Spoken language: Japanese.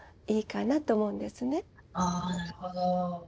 あなるほど。